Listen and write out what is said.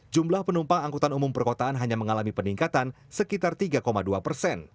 jumlah penumpang angkutan umum perkotaan hanya mengalami peningkatan sekitar tiga dua persen